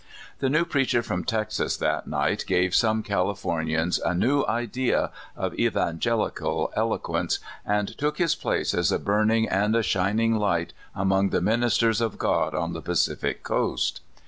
The new preacher from Texas that night gave some Californians a FATHER FISHES. 135 new idea of evangelical eloquence, and took his place as a burning and a shining light among the ministers of God on the Pacific Coast.